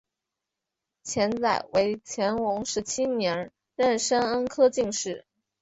钱载为乾隆十七年壬申恩科进士。